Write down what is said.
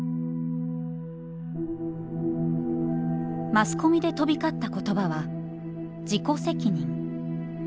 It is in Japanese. マスコミで飛び交った言葉は「自己責任」。